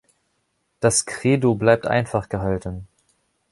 Das "Credo" bleibt einfach gehalten.